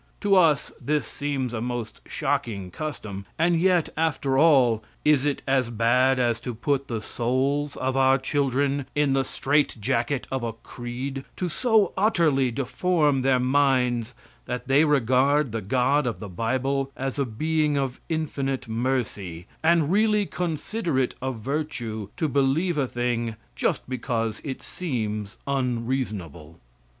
To us this seems a most shocking custom, and yet, after all, is it as bad as to put the souls of our children in the straight jacket of a creed, to so utterly deform their minds that they regard the God of the bible as a being of infinite mercy, and really consider it a virtue to believe a thing just because it seems unreasonable?